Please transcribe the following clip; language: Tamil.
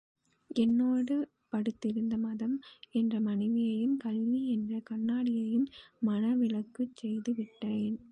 என்னோடு படுத்திருந்த மதம் என்ற மனைவியையும், கல்வி என்ற கண்ணாட்டியையும் மணவிலக்குச் செய்துவிட்டேன்.